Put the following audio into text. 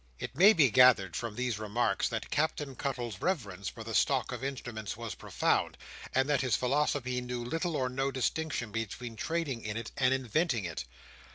It may be gathered from these remarks that Captain Cuttle's reverence for the stock of instruments was profound, and that his philosophy knew little or no distinction between trading in it and inventing it.